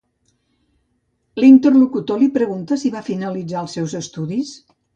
L'interlocutor li pregunta si va finalitzar els seus estudis?